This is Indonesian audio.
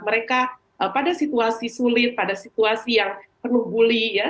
mereka pada situasi sulit pada situasi yang penuh bully ya